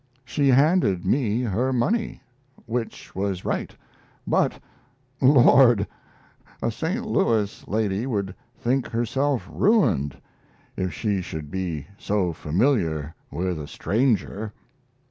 She handed me her money, which was right. But, Lord! a St. Louis lady would think herself ruined if she should be so familiar with a stranger.